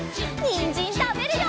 にんじんたべるよ！